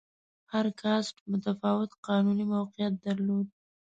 هر کاسټ متفاوت قانوني موقعیت درلود.